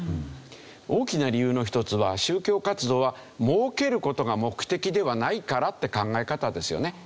大きな理由の一つは宗教活動は儲ける事が目的ではないからって考え方ですよね。